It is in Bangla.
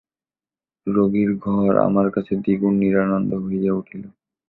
রোগীর ঘর আমার কাছে দ্বিগুণ নিরানন্দ হইয়া উঠিল।